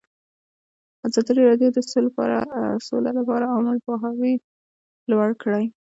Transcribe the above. ازادي راډیو د سوله لپاره عامه پوهاوي لوړ کړی.